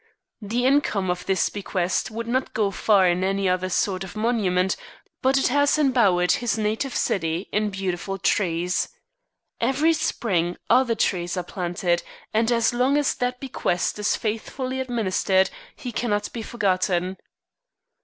The income of this bequest would not go far in any other sort of monument, but it has embowered his native city in beautiful trees. Every spring other trees are planted, and, as long as that bequest is faithfully administered, he cannot be forgotten.